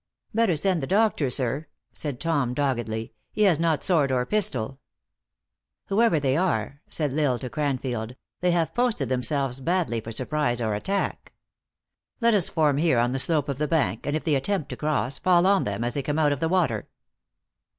" Better send the Doctor, sir," said Tom, doggedly. " He has not sword or pistol." 304 THE ACTRESS IN HIGH LIFE. " Whoever they are," said L Isle to Cranfield, " they have posted themselves badly for surprise or attack. Let us form here on the slope of the hank, and if they attempt to cross, fall on them as they come out of the water."